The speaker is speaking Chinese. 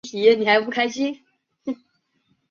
为今马偕医院的前身。